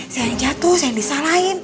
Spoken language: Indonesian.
saya hanya jatuh saya yang disalahin